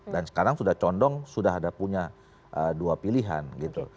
sekarang sudah condong sudah ada punya dua pilihan gitu